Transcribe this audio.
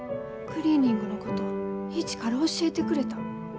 クリーニングのこと一から教えてくれた。